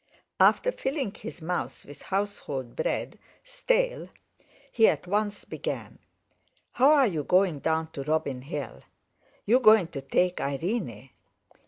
After filling his mouth with household bread, stale, he at once began: "How are you going down to Robin Hill? You going to take Irene?